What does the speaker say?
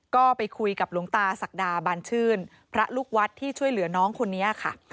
ก็ไปคุยกับหลวงตาศักดาบานชื่นพระลูกวัดที่ช่วยเหลือน้องคนนี้ค่ะ